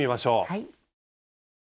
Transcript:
はい。